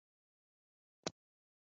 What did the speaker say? مصنوعي ځیرکتیا د روغتیايي پریکړو ملاتړ کوي.